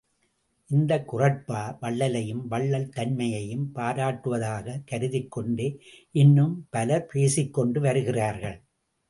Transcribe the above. இந்தக் குறட்பா, வள்ளலையும் வள்ளல் தன்மை யையும் பாராட்டுவதாகக் கருதிக்கொண்டே இன்னும் பலர் பேசிக்கொண்டு வருகிறார்கள்.